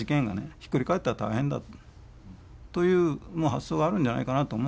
ひっくり返ったら大変だという発想があるんじゃないかなと思うんです。